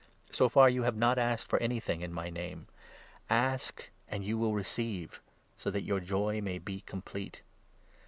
So far you have not asked for anything, 24 in my Name ; ask, and you will receive, so that your joy may be complete.